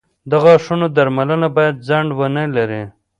• د غاښونو درملنه باید ځنډ ونه لري.